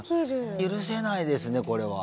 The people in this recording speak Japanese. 許せないですねこれは。